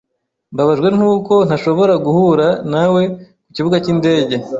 Mbabajwe nuko ntashobora guhura nawe kukibuga cyindege.